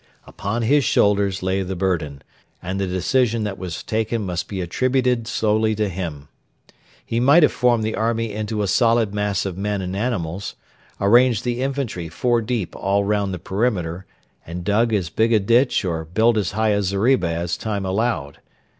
Upon his shoulders lay the burden, and the decision that was taken must be attributed solely to him. He might have formed the army into a solid mass of men and animals, arranged the infantry four deep all round the perimeter, and dug as big a ditch or built as high a zeriba as time allowed.